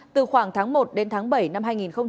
từ khoảng tháng một đến tháng bảy năm hai nghìn hai mươi